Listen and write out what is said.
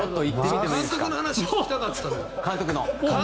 監督の話聞きたかったのよ。